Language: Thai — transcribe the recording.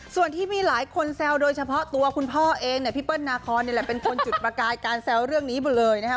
ส่วนที่มีหลายคนแซวโดยเฉพาะตัวคุณพ่อเองเนี่ยพี่เปิ้ลนาคอนนี่แหละเป็นคนจุดประกายการแซวเรื่องนี้หมดเลยนะครับ